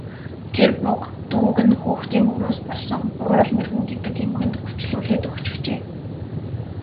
Тэр буга дүүг нь хүүхдийн мөрөөс болсон Буурал мэргэн гэдэг эмгэнд үрчлүүлээд өгчихжээ.